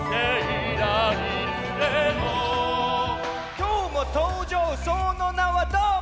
「今日も登場その名はどーも」